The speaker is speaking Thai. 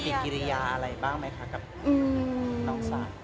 พิพิกิริยา